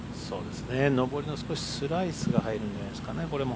上りの少しスライスが入るんじゃないですかね、これも。